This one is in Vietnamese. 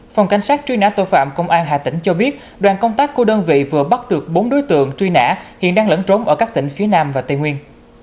phòng cảnh sát truy nã tội phạm công an hà tĩnh cho biết đoàn công tác của đơn vị vừa bắt được bốn đối tượng truy nã hiện đang lẫn trốn ở các tỉnh phía nam và tây nguyên